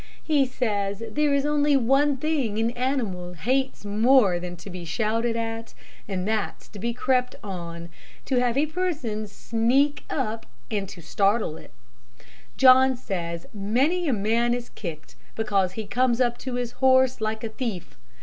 He says there is only one thing an animal hates more than to be shouted at, and that's to be crept on to have a person sneak up to it and startle it. John says many a man is kicked, because he comes up to his horse like a thief.